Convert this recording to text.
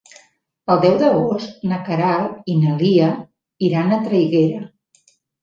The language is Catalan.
El deu d'agost na Queralt i na Lia iran a Traiguera.